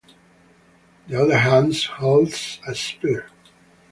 The other hand holds a spear.